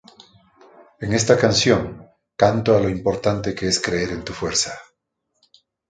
En esta canción, canto a lo importante que es creer en tu fuerza.